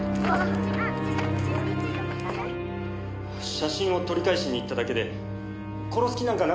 「写真を取り返しに行っただけで殺す気なんかなかったんです」